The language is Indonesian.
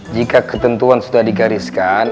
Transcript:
jika ketentuan sudah dikariskan